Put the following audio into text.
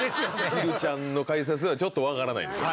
ひるちゃんの解説がちょっと分からないんですよ。